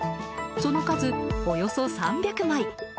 その数およそ３００枚。